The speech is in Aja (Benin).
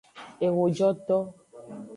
Ehojoto.